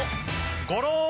ゴローン。